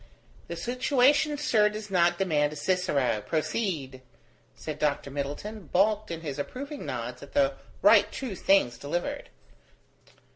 "The situation, sir, does not demand a Cicero: proceed," said Dr. Middleton, balked in his approving nods at the right true things delivered.